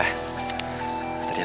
ternyata kalian masih menunggu